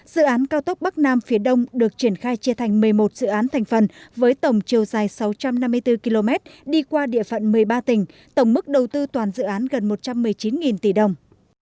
dự án cao tốc bắc nam phía đông được triển khai chia thành một mươi một dự án thành phần với tổng chiều dài sáu trăm năm mươi bốn km đi qua địa phận một mươi ba tỉnh tổng mức đầu tư toàn dự án gần một trăm một mươi chín tỷ đồng